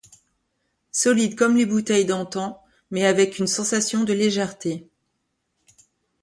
Solide comme les bouteilles d'antan, mais avec une sensation de légèreté.